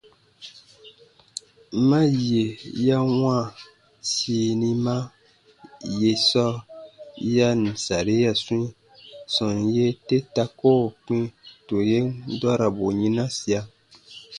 Ma yè ya wãa sinima ye sɔɔ ya ǹ saria swĩi, sɔm yee te ta koo kpĩ tù yen dɔrabu yinasia.